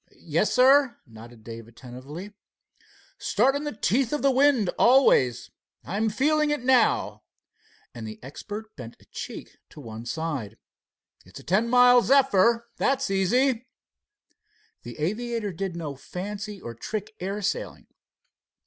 "Yes, sir," nodded Dave attentively. "Start in the teeth of the wind, always. I'm feeling it now," and the expert bent a cheek to one side. "It's a ten mile zephyr. That's easy." The aviator did no fancy or trick air sailing.